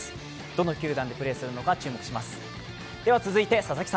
どの球団でプレーするのか注目します。